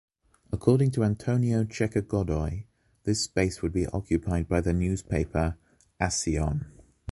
According to Antonio Checa Godoy, its space would be occupied by the newspaper “Acción”.